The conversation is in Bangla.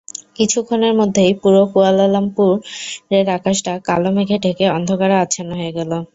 কিছুক্ষণের মধ্যেই পুরো কুয়ালালামপুরের আকাশটা কালো মেঘে ঢেকে অন্ধকারে আচ্ছন্ন হয়ে গেল।